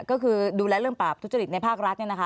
ก็คือดูแลเรื่องปราบทุจริตในภาครัฐ